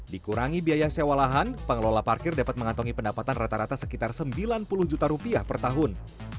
dikurangi biaya sewa lahan pengelola parkir dapat mengantongi pendapatan rata rata sekitar sembilan puluh juta rupiah per tahun